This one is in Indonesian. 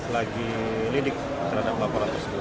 lagi lidik terhadap laporan tersebut